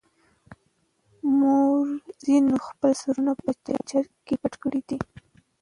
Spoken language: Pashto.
مورخينو خپل سرونه په څادر کې پټ کړي دي.